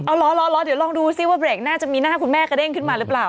เอาเหรอเดี๋ยวลองดูซิว่าเบรกน่าจะมีหน้าคุณแม่กระเด้งขึ้นมาหรือเปล่า